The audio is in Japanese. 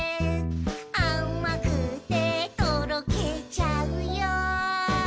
「あまくてとろけちゃうよ」